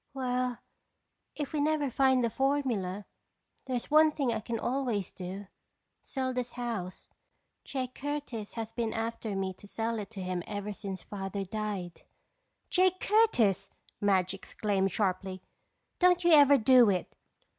"Well, if we never find the formula, there's one thing I can always do—sell this house. Jake Curtis has been after me to sell it to him ever since Father died." "Jake Curtis!" Madge exclaimed sharply. "Don't you ever do it.